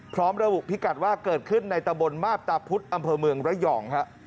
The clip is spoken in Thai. พร้อมระบุพิกัดว่าเกิดขึ้นในตะบนมาบตาพุธอำเภอเมืองระยองฮะ